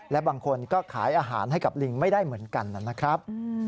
และบางคนก็ขายอาหารให้กับลิงไม่ได้เหมือนกันนะครับ